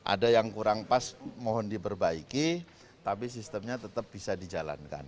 ada yang kurang pas mohon diperbaiki tapi sistemnya tetap bisa dijalankan